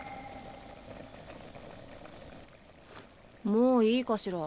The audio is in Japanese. もういいかしら？